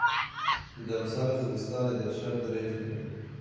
Di demsala zivistanê de, şev dirêj dibin.